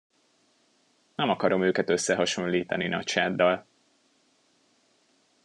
Nem akarom őket összehasonlítani nagysáddal.